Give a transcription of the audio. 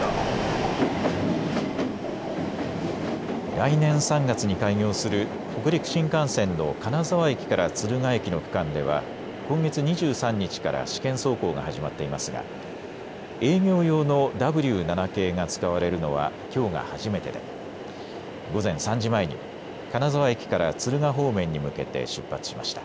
来年３月に開業する北陸新幹線の金沢駅から敦賀駅の区間では今月２３日から試験走行が始まっていますが営業用のＷ７系が使われるのはきょうが初めてで午前３時前に金沢駅から敦賀方面に向けて出発しました。